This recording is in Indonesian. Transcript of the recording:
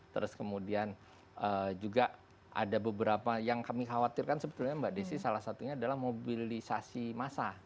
terus kemudian juga ada beberapa yang kami khawatirkan sebetulnya mbak desi salah satunya adalah mobilisasi massa